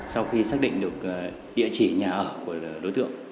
sau khi xác định được địa chỉ nhà ở của đối tượng